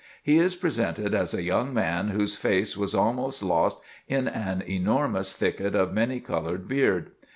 He is presented as "a young man whose face was almost lost in an enormous thicket of many colored beard.